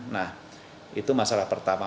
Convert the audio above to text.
nah itu masalah pertama